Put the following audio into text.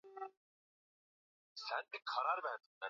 na mabadiliko katika kiothografia na matamshi ya neno Ubujiji